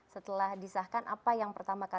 setelah disahkan apa yang pertama kali